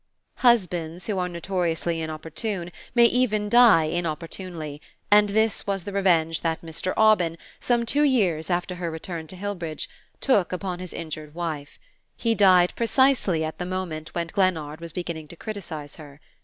Husbands who are notoriously inopportune, may even die inopportunely, and this was the revenge that Mr. Aubyn, some two years after her return to Hillbridge, took upon his injured wife. He died precisely at the moment when Glennard was beginning to criticise her.